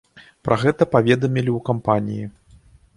Пра гэта паведамілі ў кампаніі.